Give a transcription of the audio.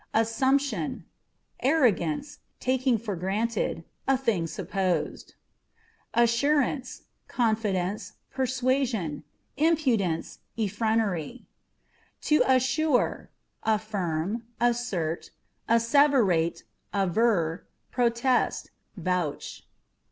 Assumption â€" arrogance ; taking for granted ; a thing supposed. Assurance â€" confidence, persuasion ; impudence, effrontery. To Assure â€" affirm, assert, asseverate, aver, protest, vouch.